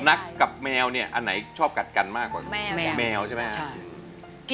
นักกับแมวเนี่ยอันไหนชอบกัดกันมากกว่าแมวใช่ไหมครับ